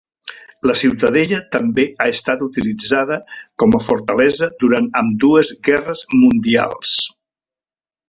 La ciutadella també ha estat utilitzada com a fortalesa durant ambdues Guerres Mundials.